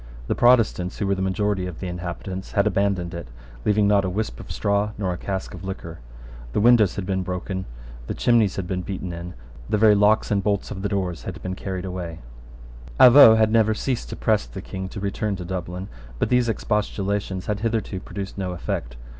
The Protestants, who were the majority of the inhabitants, had abandoned it, leaving not a wisp of straw nor a cask of liquor. The windows had been broken: the chimneys had been beaten in: the very locks and bolts of the doors had been carried away, Avaux had never ceased to press the King to return to Dublin; but these expostulations had hitherto produced no effect.